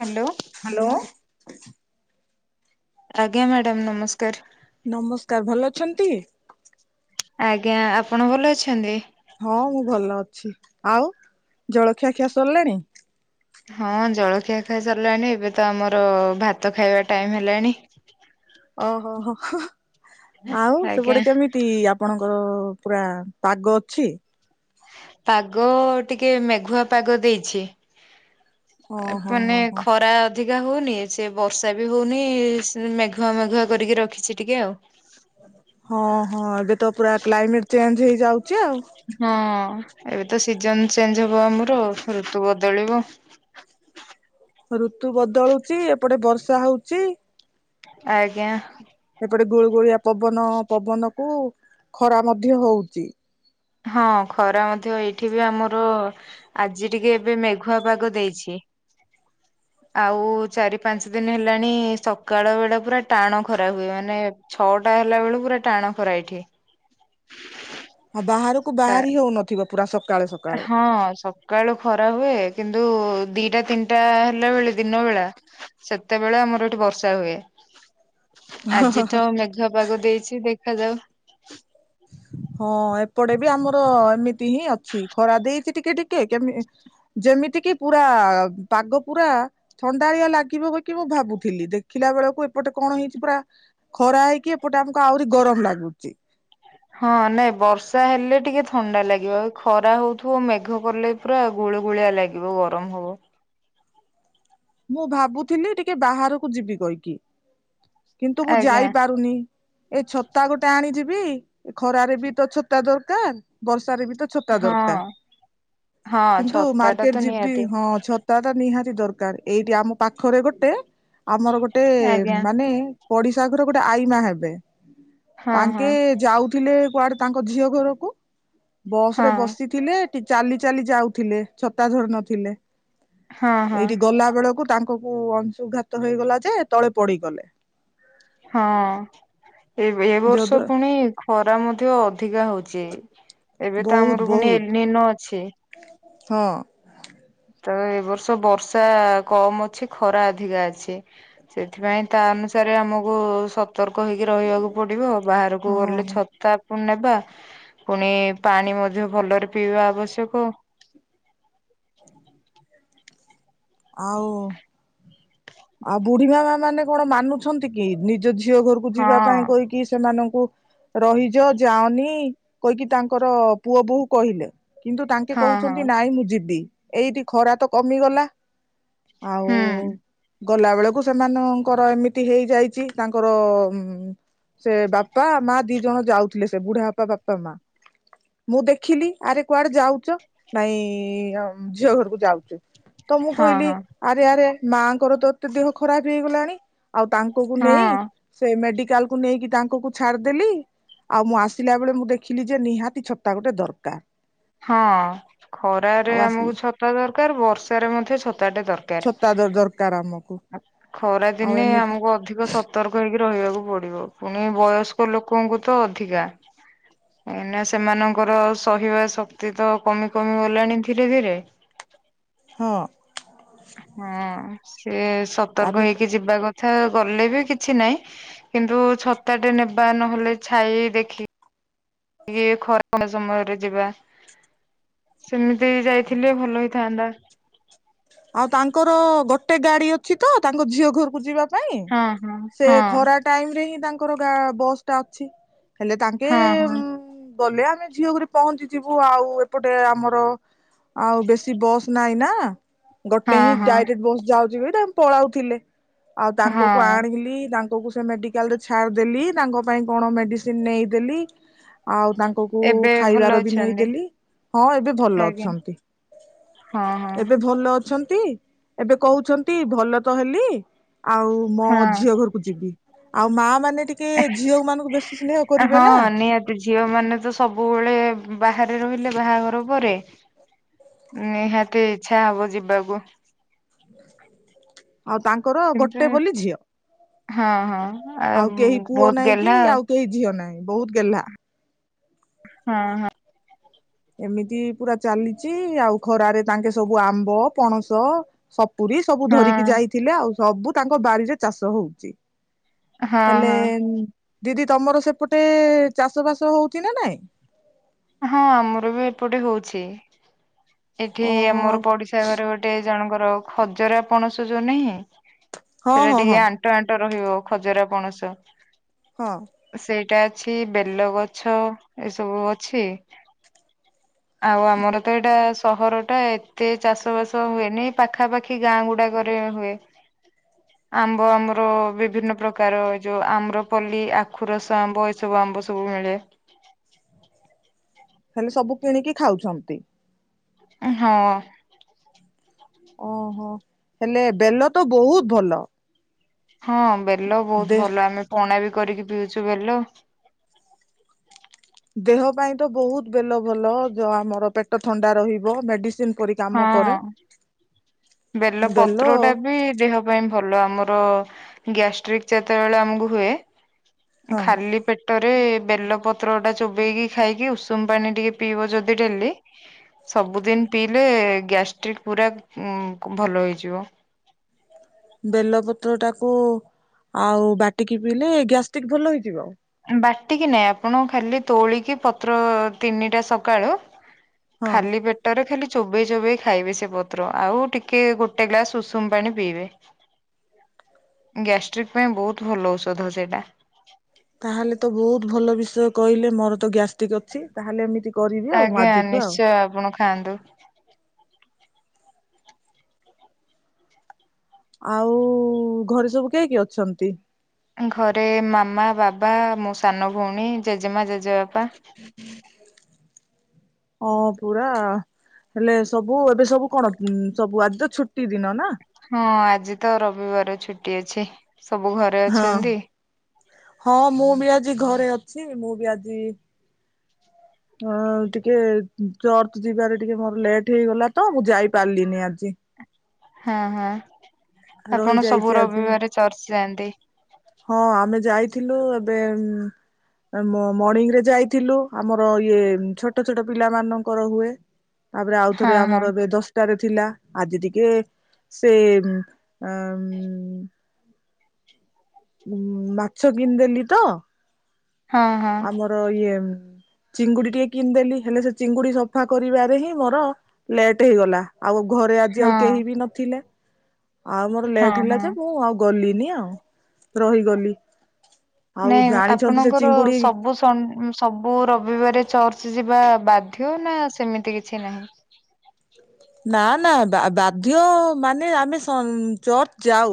Hello. Hello. ଆଜ୍ଞା madam ନମସ୍କାର। ନମସ୍କାର। ଭଲ ଅଛନ୍ତି? ଆଜ୍ଞା ଆପଣ ଭଲ ଅଛନ୍ତି? ହଁ ମୁଁ ଭଲ ଅଛି। ଆଉ ଜଳଖିଆ ଖିଆ ସରିଲାଣି? ହଁ ଜଳଖିଆ ଖାଇ ସାରିଲାଣି, ଏବେ ତ ଆମର ଭାତ ଖାଇବା ଟାଇମ୍ ହେଲାଣି। ଓ ହୋ ହଁ ହ ଆଉ ଆଜ୍ଞା ସେପଟେ କେମି ମିତି ଆପଣଙ୍କର ପୁରା ପାଗ ଅଛି? ପାଗ ଟିକେ ମେଘୁଆ ପାଗ ଦେଇଛି। ଏ ଓହୋ ପୁନି ହୋ ହୋ ଖରା ଅଧିକା ହଉନି ସେ ବର୍ଷା ବି ହଉନି, ସେ ମେଘୁଆ ମେଘୁଆ କରିକି ରଖିଛି ଟିକେ ଆଉ। ହଁ- ହଁ ଏବେ ତ ପୁରା କ୍ଲାଇମେଟ ଚେଞ୍ଜ ହେଇଯାଉଛି ଆଉ। ହଁ ଏବେ ତ ସିଜନ ଚେଞ୍ଜ ହବ ଆମର ଋତୁ ବଦଳିବ। ଋତୁ ବଦଳୁଚି, ଏପଟେ ବର୍ଷା ହଉଛି। ଆଜ୍ଞା। ଏପଟେ ଗୁଳୁଗୁଳିଆ ପବନ, ପବନକୁ ଖରା ମଧ୍ୟ ହଉଚି। ହଁ ଖରା ମଧ୍ୟ ଏଇଠି ବି ଆମର ଆଜି ଟିକେ ଏବେ ମେଘୁଆ ପାଗ ଦେଇଛି। ଆଉ ଚାରି ପାଞ୍ଚ ଦିନ ହେଲାଣି, ସକାଳ ବେଳା ପୁରା ଟାଣ ଖରା ହୁଏ। ମାନେ ଛଅଟା ହେଲା ବେଳକୁ ପୁରା ଟାଣ ଖରା ଏଇଠି। ହଁ ବାହାରକୁ ବାହାରି ହଉନଥିବ, ପୁରା ସକାଳେ ସ ହଁ ସ ସକାଳୁ ଖରା ହୁଏ, କିନ୍ତୁ ଦିଟା ତିନିଟା ହେଲାବେଳେ ଦିନ ବେଳା ସେତେବେଳେ ଆମର ଏଠି ବର୍ଷା ହୁଏ। ଆଜି ତ ମେଘୁଆ ପାଗ ଦେଇଛି, ଦେଖାଯାଉ ହଁ ଏପଟେ ବି ଆମର ଏମିତି ହିଁ ଅଛି, ଖରା ଦେଇଛି ଟିକେ ଟିକେ କେମ ଯେମିତି କିି ପୁରା ପାଗ ପୁରା ଥଣ୍ଡାଳିଆ ଲାଗିବ ବୋଲିକି ମୁଁ ଭାବୁଥିଲି, ଦେଖିଲା ବେଳକୁ ଏପଟେ କଣ ହେଇଛି ପୁରା ଖରା ହେଇକି, ଏପଟେ ଆମକୁ ଆହୁରି ଗରମ ଲାଗୁଛି। ହଁ ନାଇଁ ବର୍ଷା ହେଲେ ଟିକେ ଥଣ୍ଡା ଲାଗିବ, ଖରା ହଉଥିବ ମେଘ କଲେ ପୁରା ଗୁଳୁଗୁଳିଆ ଲାଗିବ, ଗରମ ହବ। ମୁଁ ଭାବୁଥିଲି ଟିକେ ବାହାରକୁ ଯିବି କହିକି। କିନ୍ତୁ ମୁଁ ଆଜ୍ଞା ଯାଇପାରୁନି, ଏଇ ଛତା ଗୋ ତା ଆଣିଯିବି ଖରାରେ ବି ତ ଛତା ଦରକାର, ବର୍ଷାରେ ବି ତ ଛତା ଦରକାର, ହଁ ହଁ କିନ୍ତୁ ଛତା ଟା ମାର୍କେଟ ତ ଯିବି ନିହାତି ହଁ ଛ ତାଟା ନିହାତି ଦରକାର ଏଇଠି ଆମ ପାଖରେ ଗୋଟେ ଆମର ଗୋଟେ ଆଜ୍ଞା ମାନେ ପଡିଶା ଘର ଗୋଟେ ଆଈମା ହେବେ ହଁ ହଁ ତାଙ୍କେ ଯାଉଥିଲେ କୁଆଡେ ତାଙ୍କ ଝିଅ ଘରକୁ ବସ ହଁ ରେ ବସି ଥିଲେ ଏଠି। ଚାଲି ଚାଲି ଯାଉଥିଲେ ଛତା ଧରି ନଥିଲେ। ହଁ ହଁ। ଏଇଠି ଗଲା ବେଳକୁ ତାଙ୍କକୁ ଅଂଶୁଘାତ ହେଇଗଲା, ଯେ ତଳେ ପଡିଗଲେ। ହଁ, ଏବେ ଏ ବର୍ଷ ଯଦ୍ଵା ପୁଣି ଖରା ମଧ୍ୟ ଅଧିକା ହଉଚି। ଏବେ ତ ବହୁତ ଆମର ପୁଣି ବହୁତ ଏଲିନ ଅଛି। ହଁ। ତ ଏଇ ବର୍ଷ ବର୍ଷା କମ ଅଛି, ଖରା ଅଧିକା ଅଛି। ସେଥିପାଇଁ ତା ଅନୁସାରେ ଆମକୁ ସ ସତର୍କ ହେଇକି ରହିବାକୁ ପଡିବ। ହଁ ବାହାରକୁ ଗଲେ ଛତା ପୁଣି ନେବା, ପୁଣି ପାଣି ମଧ୍ୟ ଭଲରେ ପିଇବା ଆବଶ୍ୟକ। ଆଉ, ଆଉ ବୁଢୀମା ମାନେ କଣ ମାନୁଛନ୍ତି କି, ନିଜ ଝିଅ ଘରକୁ ହଁ ବୁଝିବା ପାଇଁ କହିକି କି ସେମାନଙ୍କୁ ରହିଯା ଯାଆନି କହିକି ତାଙ୍କର ପୁଅ ବୋହୂ କହିଲେ। କିନ୍ତୁ ତାଙ୍କେ ହଁ ହଁ କହୁଛନ୍ତି ନାଇଁ ମୁଁ ଜିବି, ଏଇଟି ଖରା ତ କମିଗଲା। ଆଉ ହୁଁ ଗଲା ବେଳକୁ ସେମାନଙ୍କର ଏମିତି ହେଇଯାଇଚି, ତାଙ୍କର ଉଁ ସେ ବାପା, ମା ଦି ଜଣ ଯାଉଥିଲେ। ସେ ବୁଢାବାପା, ବାପା, ମା ମୁଁ ଦେଖିଲି ଆରେ କୁଆଡେ ଯାଉଚ? ନାଇଁ ଅମ ଝିଅ ଘରକୁ ଯାଉଚୁ। ତ ମୁଁ ହଁ କହିଲି, ହଁ ଆରେ ଆରେ ମାଆଙ୍କର ତ ଏତେ ଦେହ ଖରାପ ହେଇଗଲାଣି, ଆଉ ତାଙ୍କକୁ ନେଇ ହଁ ସେ ମେଡିକାଲ୍ କୁ ନେଇକି ତାଙ୍କକୁ ଛାଡିଦେଲି। ଆଉ ମୁଁ ଆସିଲା ବେଳେ ମୁଁ ଦେଖିଲି ଯେ, ନିହାତି ଛତା ଗୋଟେ ଦରକାର। ହଁ, ଖରାରେ ଆଉ ଆମକୁ ଆସିଲି ଛତା ଦରକାର, ବର୍ଷାରେ ମଧ୍ୟ ଛତାଟେ ଦର କାର, ଛତା ଦରକାର ଆମକୁ ଆ, ଖରା ଆଉ ଦିନେ ଏମିତି ଆମକୁ ଅଧିକ ସ ସତର୍କ ହେଇକି ରହିବାକୁ ପଡିବ। ପୁଣି ବୟସ୍କ ଲୋକଙ୍କୁ ତ ଅଧିକା। ଏଇନା, ସେମାନଙ୍କର ସହିବା ଶକ୍ତି ତ କମି କମି ଗଲାଣି ଧୀରେ ଧୀରେ ହଁ। ହଁ ସେଏ ସତର୍କ ତାପରେ ହେଇକି ଯିବା କ ଥା ଗଲେ ବି କିଛି ନାହିଁ। କିନ୍ତୁ ଛତାଟେ ନେବା ନହେଲେ ଛାଇ ଦେଖି ଟିକେ ଖରାମ ସମୟରେ ଯିବା। ସେମିତିବି ଯାଇଥିଲେ ଭଲ ହେଇଥାନ୍ତା। ଆଉ ତାଙ୍କର ଗୋଟେ ଗାଡି ଅଛିତ, ତାଙ୍କ ଝିଅ ଘରକୁ ଯିବା ପାଇଁ, ହଁ ହଁ ସେ ହଁ ଖରା ଟାଇମ୍ ରେ ହିଁ ତାଙ୍କର ଗାଁ ବସ୍ ଟା ଅଛି। ହେଲେ ତାଙ୍କେ ହଁ ଉଁ, ହଁ ଗଲେ ଆମେ ଝିଅ ଘରଃ ପହଞ୍ଚିଯିବୁ। ଆଉ ଏପଟେ ଆମର ଆଉ ବେଶୀ ବସ୍ ନାଇ ନା। ଗୋଟେ ହିଁ ହଁ ଡାଇରେକ୍ଟ ବସ୍ ଯାଉଚି ବୋଲିତ ପଳାଉଥିଲେ। ଆଉ ହଁ ତାଙ୍କକୁ ହଁ ଆଣିଲି, ତାଙ୍କକୁ ସେ ମେଡି ମେଡ଼ିକାଲରେ ଛାଡ଼ିଦେଲି, ତାଙ୍କ ପାଇଁ କଣ ମେଡିସିନ ନେଇଦେଲି। ଆଉ ତାଙ୍କକୁ ଏବେ ଭଲ ଖାଇବାର ବି ଅଛନ୍ତି ନେଇଦେଲି, ହଁ ଏବେ ଭଲ ଆଜ୍ଞା ଅଛନ୍ତି। ହଁ, ହଁ। ଏବେ ଭଲ ଅଛନ୍ତି। ଏବେ କହୁଛନ୍ତି ଭଲ ତ ହେଲି ଆଉ ମୋ ଝିଅ ହଁ ଘରକୁ ଯିବି। ଆଉ ମା ମାନେ ଟିକ ସେ, ଝିଅ ମାନଙ୍କୁ ବେଶୀ ସ୍ନେହଁ ହଁ କରିବେ ନା। ନିହାତି ଝିଅ ମାନେ ତ ସବୁବେଳେ ବାହାରେ ରହିଲେ। ବାହାଘର ପରେ ନିହାତି ଇଚ୍ଛା ହବ ଯିବାକୁ। ଆଉ ତାଙ୍କର କିନ୍ତୁ ଗୋଟେ ବୋଲି ଝିଅ। ହଁ ହଁ ଆ ଆଉ କେହି ପୁଅ ବହୁତ ନାଇଁ କି ଗେହ୍ଲା ଆଉ କେହି ଝିଅ ନାହିଁ। ବହୁତ ଗେହ୍ଲା। ହଁ ହଁ। ଏମିତି ପୁରା ଚାଲିଚି, ଆଉ ଖରାରେ ତାଙ୍କେ ସବୁ ଆମ୍ବ, ପଣସ, ସପୁରୀ ସବୁ ହଁ ଧରିକି ଯାଇଥିଲେ ଆଉ, ସବୁ ତାଙ୍କ ବାରିରେ ଚାଷ ହଉଚି। ହଁ ହଁ ହେଲେ ହଁ ଦିଦି ତମର ସେପଟେ ଚାଷ ବାସ ହଉଛି ନା ନାଇଁ? ହଁ ଆମର ବି ଏପଟେ ହଉଛି ଏଠି ଓହୋ ଆମର ପଡିଶା ଘରେ ଗୋଟେ ଜଣଙ୍କର ଖଜରା ପଣସ ଯୋଉ ନାହିଁ ହଁ ସେଟା ହଁ ଟିକେ ହଁ ଆଣ୍ ଟ ଆଣ୍ଟ ରହିବ ଖଜରା ପଣସ ହଁ। ସେଇଟା ଅଛି ବେଲ ଗଛ ଏସବୁ ଅଛି ଆଉ ଆମର ତ ଏଇଟା ସହରଟା ଏତେ ଚାଷ ବାସ ହୁଏନି ପାଖାପାଖି ଗାଁ ଗୁଡାକରେ ହୁଏ। [inaudible] ଆମ୍ବ ଆମର ବିଭିନ୍ନ ପ୍ରକାର ଏ ଯୋଉ ଆମ୍ରପଲ୍ଲୀ ଆଖୁ ରସ ଆମ୍ବ ଏସବୁ ଆମ୍ବ ସବୁ ମିଳେ। ହେଲେ ସବୁ କିଣିକି ଖାଉଛନ୍ତି। ହଁ। ଓହୋ ହେଲେ ବେଲ ତ ବହୁତ ଭଲ। ହଁ ବେଲ ବହୁତ ଦେ ଭଲ ଆମେ ପଣା ବି କରିକି ପିଉଛୁ ବେଲ। ଦେହ ପାଇଁ ତ ବହୁତ ବେଲ ଭଲ ଯ ଆମର ପେଟ ଥଣ୍ଡା ରହିବ ମେଡିସିନ କରି ହଁ ବେଲ ପତ୍ର ଟା ବି ଦେହ ସେ ପାଇଁ ଭଲ ଆମର ଗ୍ୟାଷ୍ଟ୍ରିକ ଯେତେବେଳେ ଆମକୁ ହୁଏ। ହଁ ଖାଲି ପେ ଟରେ ବେଲ ପତ୍ର ଟା ଚୋବେଇକି ଖାଇକି ଉଷୁମ ପାଣି ଟିକେ ପିଇ ଯଦି ଡେଲି ସବୁଦିନ ପିଇଲେ ଗ୍ୟାଷ୍ଟ୍ରିକ ପୁରା ଭଲ ହେଇଯିବ। ବେଲ ପତ୍ର ଟାକୁ ଆଉ ବାଟିକି ପିଇଲେ ଗ୍ୟାଷ୍ଟିକ ଭଲ ହେଇଯିବ? ବାଟିକି ନାହିଁ ଆପଣ ଖାଲି ତୋଳିକି ପତ୍ର ତିନିଟା ସକାଳୁ ହଁ ଖାଲି ପେଟ ପେଟରେ ଖାଲି ଚୋବେଇ ଚୋବେଇ ଖାଇବେ ସେ ପତ୍ର ଆଉ ଟିକେ ଗୋଟେ ଗ୍ଲାସ ଉଷୁମ ପାଣି ପିଇବେ। [inaudible] ଗ୍ୟାଷ୍ଟ୍ରିକ୍ ପାଇଁ ବହୁତ ଭଲ ଔଷଧ ସେଇଟା। ତାହେଲେ ତ ବହୁତ ଭଲ ବିଷୟ କହିଲେ ମୋର ତ ଗ୍ୟାଷ୍ଟିକ। ଅଛି ତାହେଲେ ଏମିତି କରିବି ଆଉ ଆଜ୍ଞା ଆଜିଠୁ ଆଉ। ନିଶ୍ଚୟ ଆପଣ ଖାଆନ୍ତୁ। ଆଉ ଘରେ ସବୁ କେହି କି ଅଛନ୍ତି। ଘରେ ମାମା ବାବା ମୋ ସାନ ଭଉଣୀ ଜେଜେମା ଜେଜେବାପା। ହଁ ପୁରା ହେଲେ ସବୁ ଏବେ ସବୁ କଣ ସବୁ ଆଜି ଛୁଟି ଦିନ ନା। ହଁ ଆଜି ତ ରବିବାର ଛୁଟି ଅଛି ସବୁ ଘରେ ହଁ ଅଛନ୍ତି ହଁ ମୁଁ ବି ଆଜି ଘରେ ଅଛି ମୁଁ ବି ଆଜି [inaudible] ଅ ଟିକେ ଚର୍ଚ ଯିବାରେ ଟିକେ ମୋର ଲେଟ ହେଇଗଲା ତ ମୁଁ ଯାଇପାରିଲିନି ଆଜି। [unintelligible] ହଁ ହଁ ଆପଣ ସବୁ ରହିଯାଇଛି ଆଜି ରବିବାର ଚର୍ଚ୍ଚ ଯାଆନ୍ତି। ହଁ ଆମେ ଯାଇଥିଲୁ ଏବେ ମର୍ଣିଂ ରେ ଯାଇଥିଲୁ। ଆମର ଇଏ ଛୋଟ ଛୋଟ ପିଲା ମାନଙ୍କର ହୁଏ ତାପରେ ହଁ ଆଉଥରେ ହଁ ଆମର ଏବେ ଦଶ ାରେ ଥିଲା ଆଜି ଟିକେ ସେ ଉ ଉ ମାଛ କିଣିଦେଲି ତ। ଚ ହଁ ହଁ। [unintelligible] ଏମ୍ ଚିଙ୍ଗୁଡି ଟିକେ କିଣିଦେଲି ହେଲେ ସେ ଚିଙ୍ଗୁଡି ସଫା କରିବାରେ ହିଁ ମୋର ଲେଟ୍ ହେଇଗଲା। ଆଉ ଘରେ ଆଜି ଆଉ ହଁ କେହି ବି ନଥିଲେ ଆଉ ମୋର ହଁ ଲେଟ ହେଲା ହଁ। ଯେ ମୁଁ ଆଉ କଲିନି ଆଉ। ରହିଗଲି। ଆଉ ନାଇଁ ଜାଣିଛନ୍ତି ସେ ଆପଣଙ୍କର ଚିଙ୍ଗୁଡି ସବୁ ସ ସବୁ ରବିବାରେ ଚର୍ଚ୍ଚ ଯିବା ବାଧ୍ୟ ନା ସେମିତି କିଛି ନାହିଁ। ନା ନା ବାଧ୍ୟ ମାନେ ଆମେ ଚର୍ଚ୍ଚ ଯାଉ।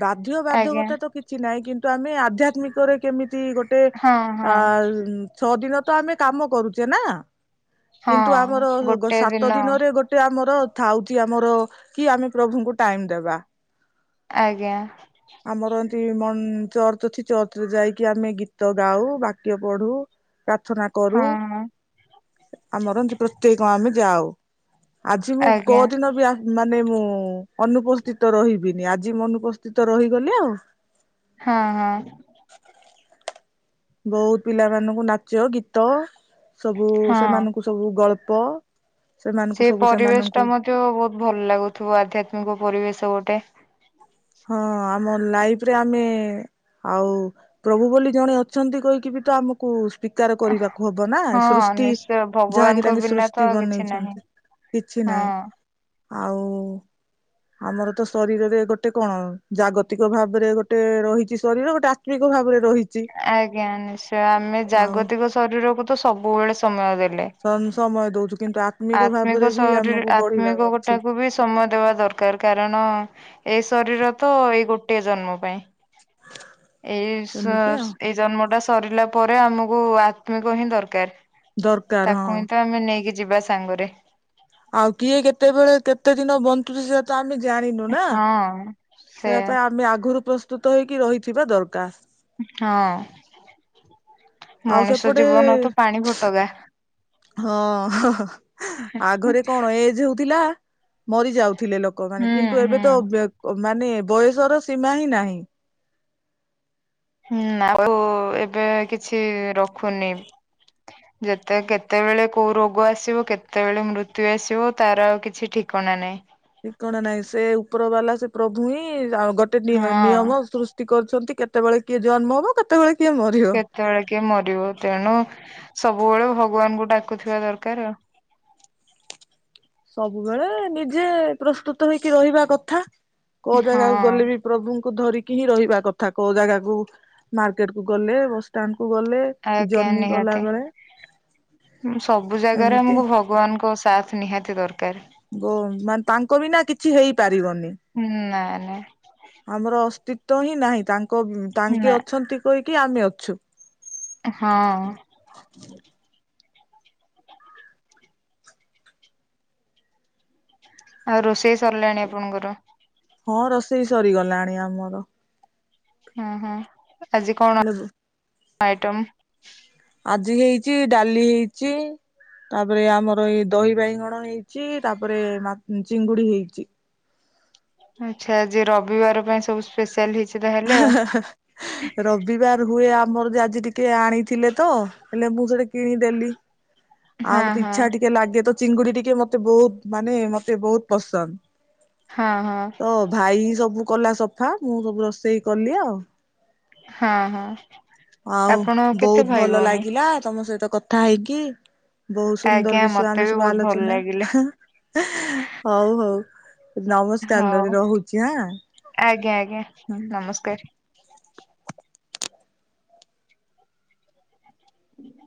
ବାଧ୍ୟ ଆଜ୍ଞା ବାଧ୍ୟକତା ତ କିଛି ନାହିଁ କିନ୍ତୁ ଆମେ ଆଧ୍ୟାତ୍ମିକରେ କେମିତି ଗୋ ତେ ହଁ ହଁ ଅ ଛଅ ଦିନ ତ ଆମେ କାମ କରୁଛେ ନା। କିନ୍ତୁ ଆମର ହଁ ଗୋଟେ ଦିନ ସାତ ଦିନରେ ଗୋ ଆମର ଥାଉଛି ଆମର କି ଆମେ ପ୍ରଭୁଙ୍କୁ ଟାଇମ ଦେବା। ଆଜ୍ଞା। ଆମର ଏମତି ମ ଚର୍ଚ୍ଚ ଅଛି ଚର୍ଚ୍ଚ ରେ ଯାଇକି ଆମେ ଗୀତ ଗାଉ ବାକ୍ୟ ପଢୁ। ପ୍ରାର୍ଥନା କରୁ ହଁ ଆମର ପ୍ରତ୍ୟେକ ଆମେ ଯାଉ। ଆଜି ମୁଁ ଆଜ୍ଞା କୋଉ ଦିନ ବି ଆ ମାନେ ମୁଁ ଅନୁପସ୍ଥିତ ରହିବିନି ଆଜି ମୁଁ ଅନୁପସ୍ଥିତ ରହିଗଲି ଆଉ। ହଁ ହଁ। ବହୁତ ପିଲାମାନଙ୍କୁ ନାଚ ଗୀତ ସବୁ ହଁ। ସେମାନଙ୍କୁ ସବୁ ଗଳ୍ପ। ସେମାନଙ୍କୁ ସବୁ ସେମାନଙ୍କୁ। ତ ବହୁତ ଭଲ ଲାଗୁଥିବ ଆଧ୍ୟାତ୍ମିକ ପରିବେଶ ଗୋଟେ। ହଁ ଆମ ଲାଇଫ୍ ରେ ଆମେ। ଆଉ ପ୍ରଭୁ ବୋଲି ଜଣେ ଅଛନ୍ତି କହିକି ବି ତ ଆମ କୁ ସ୍ଵୀକାର କରିବାକୁ ହବ ନା ହଁ ସୃଷ୍ଟି ନିଶ୍ଚୟ ଯାହାକି ଭଗବାନଙ୍କ ତାଙ୍କେ ବିନା ତ ସୃଷ୍ଟି ଆଉ କିଛି ନାହିଁ। ବନେଇଛନ୍ତି। କିଛି ନାହିଁ ହଁ ଆଉ। ଆମର ତ ଶରୀରରେ ଗୋଟେ କଣ ଜାଗତିକ ଭାବରେ ଗୋଟେ ରହିଛି ଶରୀର ଗୋଟେ ଆତ୍ମିକ ଭାବରେ ରହି ଆଜ୍ଞା ନିଶ୍ଚୟ ଆମେ ଆଉ ଜାଗତିକ ଶରୀରକୁ ତ ସବୁବେଳେ ସମୟ ଦେଲେ। ସମୟ ଦଉଛୁ କିନ୍ତୁ ଆ ଆତ୍ମିକ ଶରୀର ଆତ୍ମିକ ଅଛି ଗୋଟାକୁ ବି ସମୟ ଦବା ଦରକାର କାରଣ ଏଇ ଶରୀର ତ ଏଇ ଗୋଟଏ ଜନ୍ମ ପାଇଁ। ଏଇ ସେମିତି ଆଉ ଏଇ ଜନ୍ମଟା ସରିଲା ପରେ ଆମକୁ ଆତ୍ମିକ ହିଁ ଦରକାର। ଦରକାର ହଁ ତାକୁ ହିଁ ତ ଆମେ ନେଇକି ଯିବା ସାଙ୍ଗରେ। ଆଉ କିଏ କେତେବେଳେ କେତେ ଦିନ ବନ୍ ସେଟା ତ ଆମେ ଜାଣିନୁ ନା ହଁ। ସେଇଟା ସେୟା ପାଇଁ ଆମେ ଆଗୁରୁ ପ୍ର ପ୍ରସ୍ତୁତ ହେଇକି ରହିଥିବା ଦରକାର। ହଁ ଆଉ ମଣିଷ ସେପଟେ ଜୀବନ ତ ପାଣି ଫୋଟକା। ହଁ ଆଗରେ କଣ ଏଜ୍ ହଉଥିଲା ମରିଯାଉଥିଲେ ଲୋକ। ଲୋକ ମାନେ ହୁଁ କିନ୍ତୁ ହୁଁ ଏବେ ତ ମାନେ ବୟସର ସୀମା ହିଁ ନାହିଁ। ହୁଁ ଆଉ ଏବେ କିଛି ରଖୁନି। ଯେତେ କେତେବେଳେ କୋଉ ରୋଗ ଆସିବ କେତେବେଳେ ମୃତ୍ୟୁ ଆସିବ ତାର ଆଉ କିଛି ଠିକଣା ନାହିଁ। ଠିକଣା ନାଇଁ ସେ ଉପର ବାଲା ସେ ପ୍ରଭୁ ହିଁ ଗୋଟେ ହଁ ନିୟମ ସୃଷ୍ ତି କରୁଛନ୍ତି କେତେବେଳେ କିଏ ଜନ୍ମ ହବ କେତେବେଳେ କିଏ ମରିବ। କେତେବେଳେ କିଏ ମରିବ ତେଣୁ ସବୁବେଳେ ଭଗବାନଙ୍କୁ ଡାକୁଥିବା ଦରକାର ଆଉ। ସବୁବେଳେ ନିଜେ ପ୍ରସ୍ତୁତ ହେଇକି ରହିବା କଥା କୋଉ ଜାଗାକୁ ହଁ। ଗଲେ ବି ପ୍ରଭୁଙ୍କୁ ଧରିକି ହିଁ ରହିବା କଥା କୋଉ ଜାଗାକୁ ମାର୍କେଟ କୁ ଗଲେ ବସଷ୍ଟାଣ୍ଡ କୁ ଗଲେ। କି ଆଜ୍ଞା ଜର୍ଣ୍ଣି କଲା ନିହାତି ବେଳେ ସବୁ ଜାଗାରେ ଏମିତି ଆମକୁ ଭ ଭଗବାନଙ୍କ ସାଥ ନିହାତି ଦରକାର। ଗୋ ମାନେ ତାଙ୍କ ବି ନା କିଛି ହେଇପାରିବନି। ହୁଁ ନାଇଁ ନାଇଁ। ଆମର ଅସ୍ତିତ୍ବ ହିଁ ନାହିଁ ତାଙ୍କ ନା ତାଙ୍କେ ଅଛନ୍ତି କହିକି ଆମେ ଅଛୁ। ହଁ। ଆଉ ରୋଷେଇ ସରିଲାଣି ଆପଣଙ୍କର? ହଁ ରୋଷେଇ ସରିଗଲାଣି ଆମର। ହଁ ହଁ ଆଜି କଣ ହେଲେ ଆଇଟମ? ଆଜି ହେଇଛି ଡାଲି ହେଇଛି ତାପରେ ଆମର ଏଇ ଦହି ବାଇଗଣ ହେଇଛି ତାପରେ ମା ଚିଙ୍ଗୁଡି ହେଇଛି। ଆଛା ଆଜି ରବିବାର ପାଇଁ ସବୁ ସ୍ପେସିଆଲ ହେଇଛି। ତାହେଲେ ହା ଆଉ ହା ହା ରବି ରବିବାର ହୁଏ ଆମର ଯେ ଆଜି ଟିକେ ଆଣିଥିଲେ ତ ହେଲେ ମୁଁ ଯୋଡ଼େ କିଣିଦେଲି। ଆଉ ହଁ ମତେ ହଁ। ଇଛା ଟିକେ ଲାଗେ ତ ଚିଙ୍ଗୁଡି ଟିକେ ମତେ ବହୁତ ମାନେ ମତେ ବହୁତ ପସନ୍ଦ। ହଁ ହଁ। ତ ଭାଇ ସବୁ କଲା ସଫା ମୁଁ ସବୁ ରୋଷେଇ କଲି ଆଉ। ହଁ ହଁ। ଆଉ ଆପଣ କେତେ ବହୁତ ଭାଇ ଭଲ ଭଉଣୀ? ଲାଗିଲା ତମ ସହିତ କଥା ହେଇକି। ବହୁତ ଆଜ୍ଞା ସୁନ୍ଦର ବିଷୟ ମତେ ଆମେ ବି ସବୁ ବହୁତ ଭଲ ଆଲୋଚନା ଲାଗିଲେ ହଉ ହଉ। ନମସ୍କାର ହଉ ନେବି ରହୁଛି ହା। ଆଜ୍ଞା ଆଜ୍ଞା ନମସ୍କାର। ହୁଁ